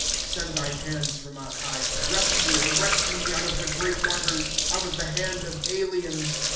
' Send thy hands from on high. Wrest mo, and rescue me out of the great waters. Out of the hand of aliens.